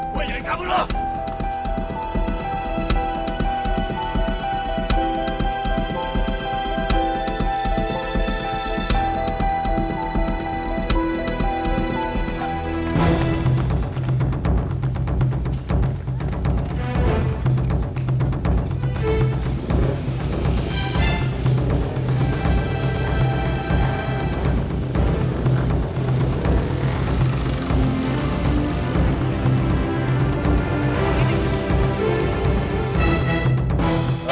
gue jadi kamu loh